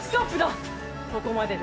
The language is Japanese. ここまでで。